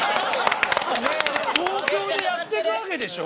東京でやってくわけでしょ？